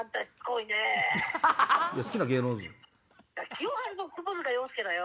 清春と窪塚洋介だよ。